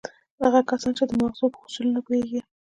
هغه کسان چې د ماغزو په اصولو نه پوهېږي.